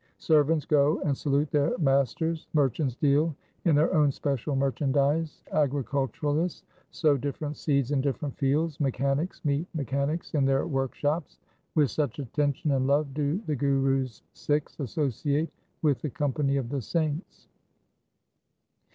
Servants go and salute their masters, merchants deal in their own special merchandise, agriculturists sow different seeds in different fields, mechanics meet mechanics in their workshops — with such attention and love do the Guru's Sikhs associate with the company of the saints.